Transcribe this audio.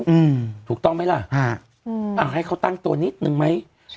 อืมถูกต้องไหมล่ะฮะอืมอ่าให้เขาตั้งตัวนิดนึงไหมใช่